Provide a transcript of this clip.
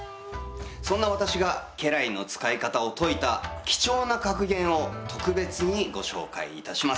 そんな私が家来の使い方を説いた貴重な格言を特別にご紹介いたします。